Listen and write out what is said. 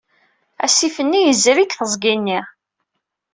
Asif-nni yezri deg teẓgi-nni.